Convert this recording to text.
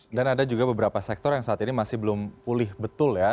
ada juga beberapa sektor yang saat ini masih belum pulih betul ya